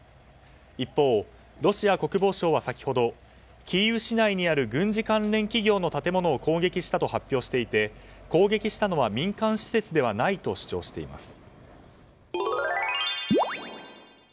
一方、ロシア国防省は先ほどキーウ市内にある軍事関連企業の建物を攻撃したと発表していて、攻撃したのは民間施設ではないと主張しています。